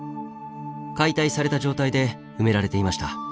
解体された状態で埋められていました。